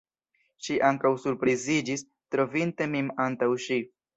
Ŝi ankaŭ surpriziĝis, trovinte min antaŭ ŝi.